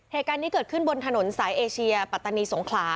เหตุการณ์นี้เกิดขึ้นบนถนนสายเอเชียปัตตานีสงขลา